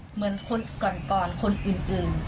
เหมือนคนก่อนคนอื่น